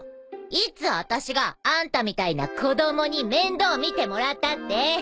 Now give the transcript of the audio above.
いつあたしがあんたみたいな子供に面倒見てもらったって？